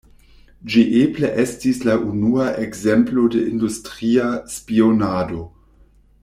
Ĝi eble estis la unua ekzemplo de industria spionado.